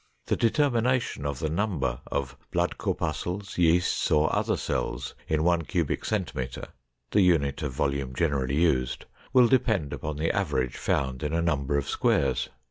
The determination of the number of blood corpuscles, yeasts, or other cells in one cubic centimeter, the unit of volume generally used, will depend upon the average found in a number of squares.